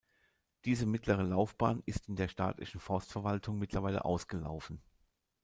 Diese mittlere Laufbahn ist in der staatlichen Forstverwaltung mittlerweile ausgelaufen.